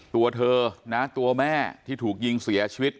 ตัวเธอนะตัวแม่ที่ถูกยิงเสียชีวิต